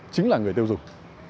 chính là người tiêu dùng